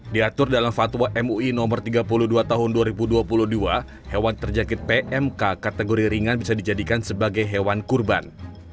diatur dalam fatwa mui no tiga puluh dua tahun dua ribu dua puluh dua hewan terjangkit pmk kategori ringan bisa dijadikan sebagai hewan kurban